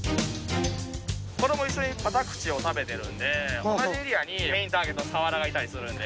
これも一緒にカタクチを食べてるんで同じエリアにメインターゲットのサワラがいたりするんで